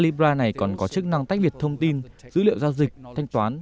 libra này còn có chức năng tách biệt thông tin dữ liệu giao dịch thanh toán